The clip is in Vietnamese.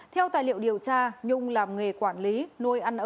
theo tài liệu điều tra nhung làm nghề quản lý nuôi ăn ở